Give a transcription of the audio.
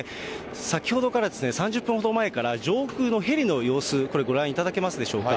先ほどから、３０分ほど前から、上空のヘリの様子、これ、ご覧いただけますでしょうか。